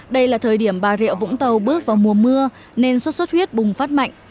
đây là thời điểm bà rịa vũng tàu bước vào mùa mưa nên sốt xuất huyết bùng phát mạnh